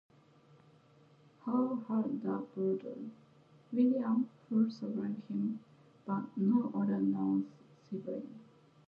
Hall had a brother, William, who survived him, but no other known siblings.